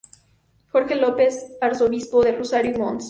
Jorge López, arzobispo de Rosario y Mons.